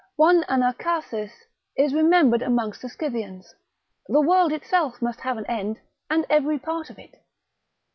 One Anacharsis is remembered amongst the Scythians; the world itself must have an end; and every part of it.